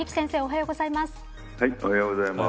おはようございます。